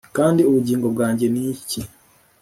Kandi ubugingo bwanjye ni iki